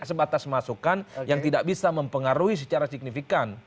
sebatas masukan yang tidak bisa mempengaruhi secara signifikan